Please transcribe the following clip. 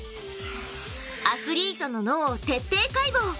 アスリートの脳を徹底解剖！